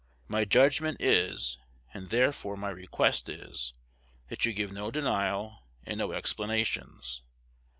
My judgment is, and therefore my request is, that you give no denial, and no explanations.